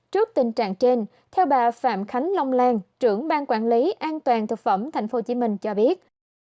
trước tình trạng trên theo bà phạm khánh long lan trưởng ban quản lý an toàn thực phẩm tp hcm cho biết